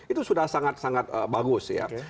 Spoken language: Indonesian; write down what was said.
itu sudah sangat sangat bagus ya